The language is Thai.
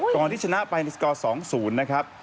ก่อนที่ชนะไปในสกอร์๒๐นะครับ